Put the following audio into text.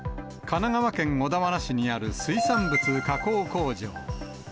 神奈川県小田原市にある水産物加工工場。